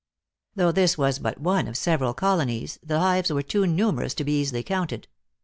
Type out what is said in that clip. Though this was but one of several colonies, the hives were too numerous to be easily counted.